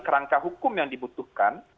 kerangka hukum yang dibutuhkan